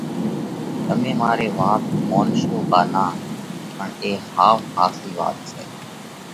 تمي مارئي وات مونشو ڪا نان پڻ اي ۿاوَ ۿاسئي وات سئہ